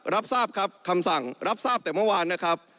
รับทราบครับคำสั่งรับทราบแต่เมื่อวานนะครับ